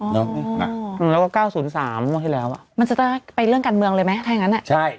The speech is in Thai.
อ๋อแล้วก็๙๐๓วันที่แล้วมันจะต่อไปเรื่องการเมืองเลยไหมถ้าอย่างนั้น